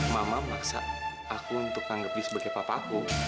mama maksa aku untuk anggap dia sebagai papa aku